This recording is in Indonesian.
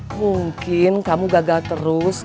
mungkin kamu gagal terus